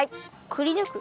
くりぬく？